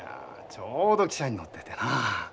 ちょうど汽車に乗っててなあ。